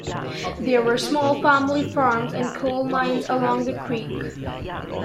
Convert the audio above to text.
There were small family farms and coal mines along the creek.